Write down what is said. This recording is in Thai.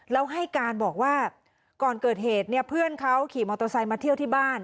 แล้วให้การบอกว่าก่อนเกิดเหตุเนี่ยเพื่อนเขาขี่มอเตอร์ไซค์มาเที่ยวที่บ้าน